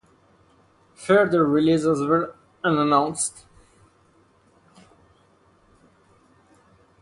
Further releases were announced.